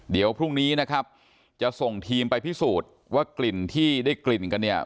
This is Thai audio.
เดี๋ยวพรุ่งนี้นะครับจะส่งทีมไปพิสูจน์ว่ากลิ่นที่ได้กลิ่นกันเนี่ย